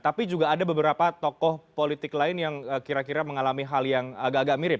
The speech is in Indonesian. tapi juga ada beberapa tokoh politik lain yang kira kira mengalami hal yang agak agak mirip